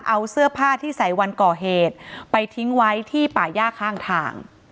เอาเสื้อผ้าที่ใส่วันก่อเหตุไปทิ้งไว้ที่ป่าย่าข้างทาง